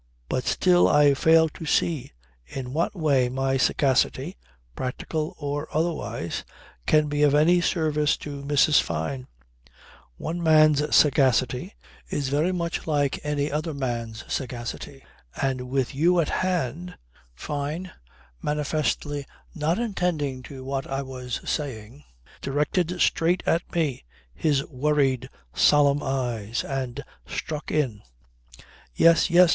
But still I fail to see in what way my sagacity, practical or otherwise, can be of any service to Mrs. Fyne. One man's sagacity is very much like any other man's sagacity. And with you at hand " Fyne, manifestly not attending to what I was saying, directed straight at me his worried solemn eyes and struck in: "Yes, yes.